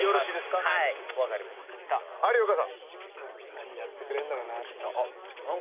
何やってくれるんだろう。